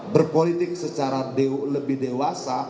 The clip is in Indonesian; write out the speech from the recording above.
berpolitik secara lebih dewasa